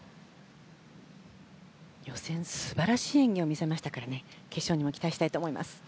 予選、素晴らしい演技を見せましたから決勝にも期待したいと思います。